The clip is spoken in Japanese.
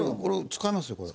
使いますよこれ。